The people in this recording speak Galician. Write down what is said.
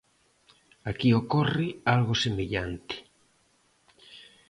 Aquí ocorre algo semellante.